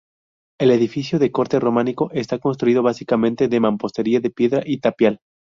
El edificio, de corte románico, está construido básicamente de mampostería de piedra y tapial.